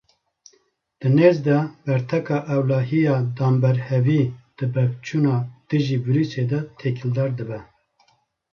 Di nêz de berteka ewlehiya danberhevî di pevçûna dijî vîrûsê de têkildar dibe.